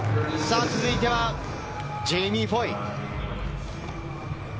続いてはジェイミー・フォイ。